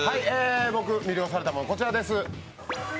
僕、魅了されたものはこちらです。